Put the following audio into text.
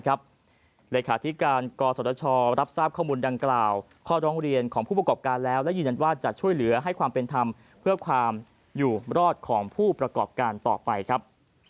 การต่อไปครับ